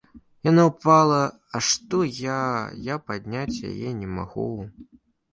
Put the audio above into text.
Яна ўпала, а што я, я падняць яе не магу.